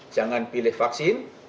jangan pilih vaksin